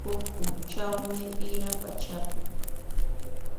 Huk pʼunchawmi ira pachapi.